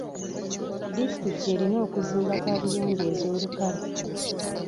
Disitulikiti erina okuzimba kaabuyonjo ez'olukale.